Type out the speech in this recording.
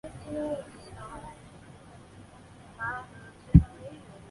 欲了解更多信息请见洛桑高商网站。